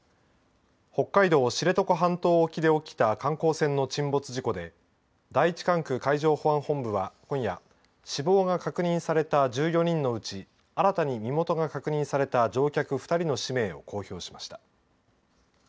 北海道・知床半島沖で起きた観光船の沈没事故で第１管区海上保安本部は今夜、死亡が確認された１４人のうち新たに身元が確認された乗客２人の氏名を公表しました。